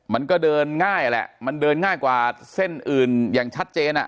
มันก็เดินง่ายแหละมันเดินง่ายกว่าเส้นอื่นอย่างชัดเจน